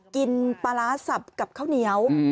กินปลาร้าสับกับข้าวเหนียว